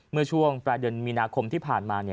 เมื่อช่วงปลายเดือนมีนาคมที่ผ่านมา